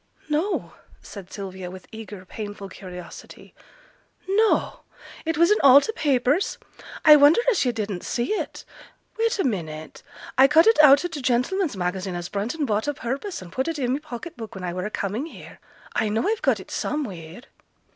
'No!' said Sylvia, with eager painful curiosity. 'No! It was in all t' papers! I wonder as yo' didn't see it. Wait a minute! I cut it out o' t' Gentleman's Magazine, as Brunton bought o' purpose, and put it i' my pocket book when I were a coming here: I know I've got it somewheere.'